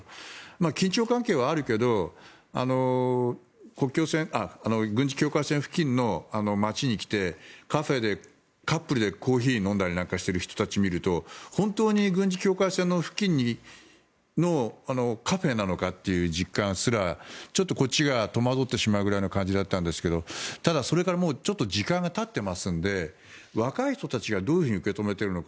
緊張関係はあるけど軍事境界線付近の街に来てカフェでカップルでコーヒーを飲んだりしてる人たちを見ると本当に軍事境界線の付近のカフェなのかという実感すらちょっとこっちが戸惑ってしまうぐらいの感じだったんですがただ、それから時間がたってますので若い人たちがどういうふうに受け止めているのか。